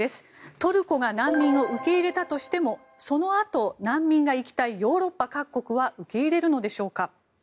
トルコが難民を受け入れたとしてもそのあと難民が行きたいヨーロッパ各国は受け入れるのでしょうか。